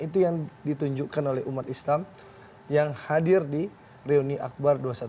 itu yang ditunjukkan oleh umat islam yang hadir di reuni akbar dua ratus dua belas